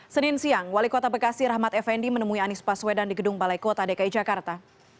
senin siang wali kota bekasi rahmat effendi menemui anies baswedan di gedung balai kota dki jakarta